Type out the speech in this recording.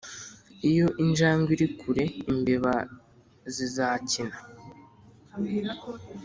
iyo injangwe iri kure imbeba zizakina